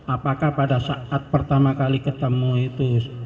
apakah pada saat pertama kali ketemu itu